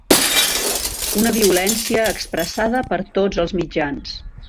Una violència expressada per tots els mitjans.